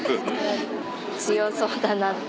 強そうだなって。